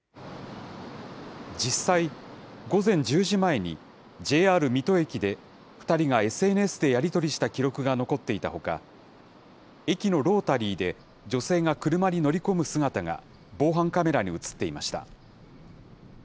実際、午前１０時前にＪＲ水戸駅で２人がＳＮＳでやり取りした記録が残っていたほか、駅のロータリーで、女性が車に乗り込む姿が、防犯カメラに写っていました。